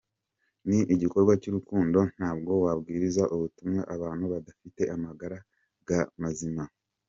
Ni igikorwa cy’urukundo, ntabwo wabwiriza ubutumwa abantu badafite amagaraga mazima.